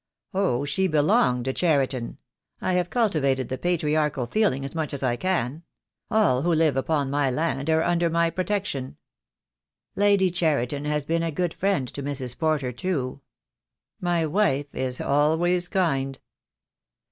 "Oh, she belonged to Cheriton. I have cultivated the patriarchal feeling as much as I can. All who live upon my land are under my protection." "Lady Cheriton has been a good friend to Mrs. Porter too." "My wife is always kind."